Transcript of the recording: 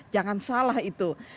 jangan salah itu